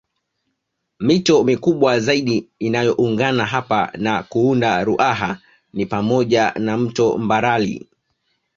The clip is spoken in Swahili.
Mito mikubwa zaidi inayoungana hapa na kuunda Ruaha ni pamoja na mto Mbarali